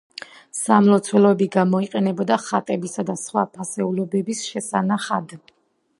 სამლოცველო გამოიყენებოდა ხატებისა და სხვა ფასეულობების შესანახად.